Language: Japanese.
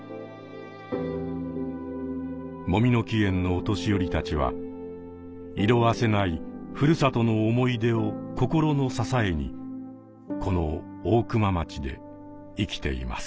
もみの木苑のお年寄りたちは色あせない故郷の思い出を心の支えにこの大熊町で生きています。